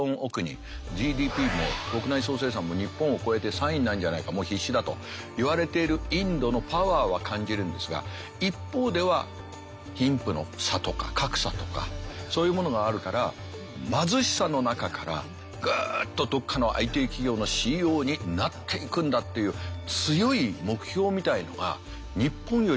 ＧＤＰも国内総生産も日本を超えて３位になるんじゃないかもう必至だといわれているインドのパワーは感じるんですが一方では貧富の差とか格差とかそういうものがあるから貧しさの中からグッとどっかのＩＴ企業のＣＥＯになっていくんだっていう強い目標みたいなのが日本よりもかなりありますかね。